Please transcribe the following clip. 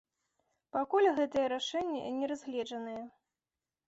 Пакуль гэтае рашэнне не разгледжанае.